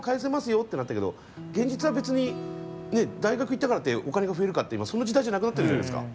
よってなったけど現実は別に、大学行ったからってお金が増えるかっていえばそんな時代じゃなくなってるじゃないですか。